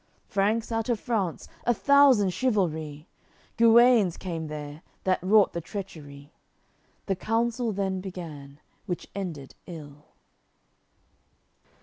Franks out of France, a thousand chivalry; Guenes came there, that wrought the treachery. The Council then began, which ended ill.